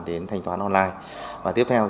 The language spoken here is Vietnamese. đến thanh toán online và tiếp theo